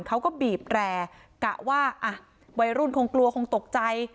เขาก็บีบแร่กะว่าอ่ะวัยรุ่นคงกลัวคงตกใจ